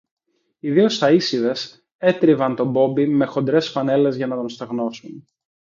Οι δυο σαΐσηδες έτριβαν τον Μπόμπη με χοντρές φανέλες, για να τον στεγνώσουν.